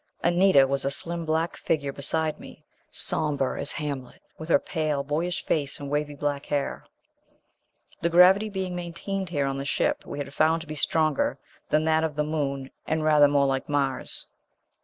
Anita was a slim black figure beside me, somber as Hamlet, with her pale boyish face and wavy black hair. The gravity being maintained here on the ship we had found to be stronger than that of the Moon and rather more like Mars.